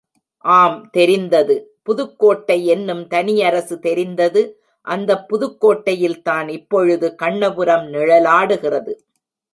ஆம் தெரிந்தது, புதுக்கோட்டை என்னும் தனியரசு தெரிந்தது அந்தப் புதுக்கோட்டையில்தான் இப் பொழுது கண்ணபுரம் நிழலாடுகிறது.